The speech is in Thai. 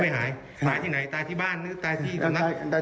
หายไปไหนปิดที่บ้านหรือที่ตรงนั้น